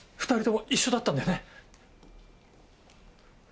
２人とも一緒だったんだよね？